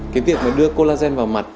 cái việc đưa collagen vào mặt